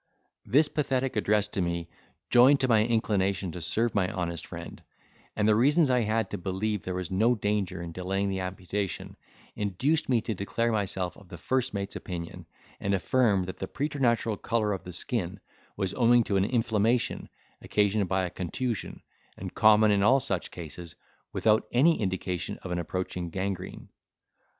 This pathetic address to me, joined to my inclination to serve my honest friend, and the reasons I had to believe there was no danger in delaying the amputation, induced me to declare myself of the first mate's opinion, and affirm that the preternatural colour of the skin was owing to an inflammation, occasioned by a contusion, and common in all such cases, without any indication of an approaching gangrene.